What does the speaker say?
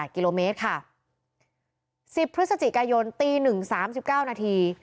๑๑๓๘กิโลเมตรค่ะ๑๐พฤศจิกายนตีหนึ่ง๓๙นาที